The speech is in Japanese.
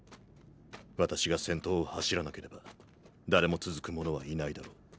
私が先頭を走らなければ誰も続く者はいないだろう。